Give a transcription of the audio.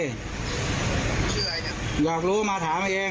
ชื่ออะไรเนี่ยอยากรู้มาถามให้เอง